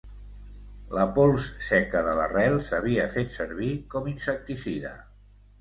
La pols seca de l'arrel s'havia fet servir com insecticida.